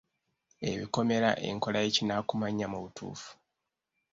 Ebikomera enkola y’ekinnakumanya mu butuufu.